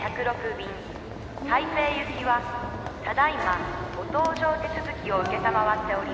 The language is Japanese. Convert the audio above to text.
便台北行きはただ今ご搭乗手続きを承っております」